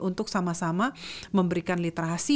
untuk sama sama memberikan literasi